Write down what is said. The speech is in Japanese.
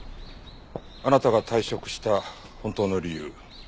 あなたが退職した本当の理由。